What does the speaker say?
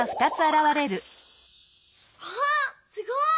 わっすごい！